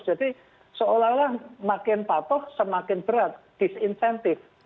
jadi seolah olah makin patuh semakin berat disintensif